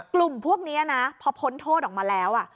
กลุ่มพวกนี้นะพอพ้นโทษออกมาแล้ว